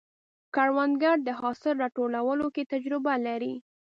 کروندګر د حاصل راټولولو کې تجربه لري